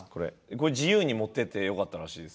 自由に持っていってよかったらしいです。